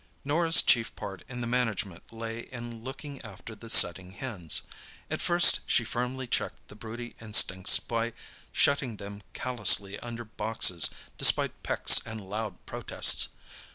Norah's chief part in the management lay in looking after the setting hens. At first she firmly checked the broody instincts by shutting them callously under boxes despite pecks and loud protests.